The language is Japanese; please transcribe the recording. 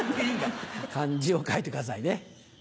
漢字を書いてくださいね。